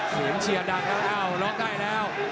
เสียงเชียดักแล้วเอ้ารอใกล้แล้ว